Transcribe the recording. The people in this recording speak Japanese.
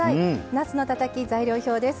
なすのたたき材料表です。